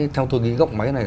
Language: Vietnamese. theo tôi nghĩ góc máy này